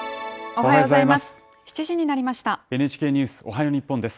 おはようございます。